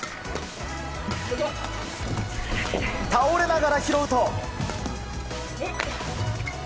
倒れながら拾うと。